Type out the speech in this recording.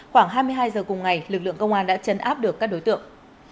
khoảng hai mươi hai giờ cùng ngày lực lượng công an đã chấn áp được các đối tượng